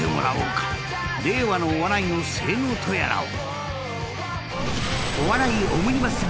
［令和のお笑いの性能とやらを］